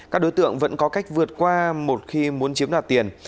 các đối tượng vẫn có cách vượt qua một khi muốn chiếm đoạt tiền